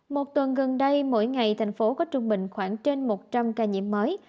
một tuần gần đây mỗi ngày thành phố có trung bình khoảng trên một trăm linh ca nhiễm mới